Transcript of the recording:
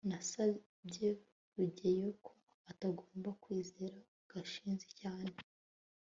nasabye rugeyo ko atagomba kwizera gashinzi cyane